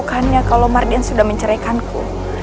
bukannya kalau mardian sudah menceraikanku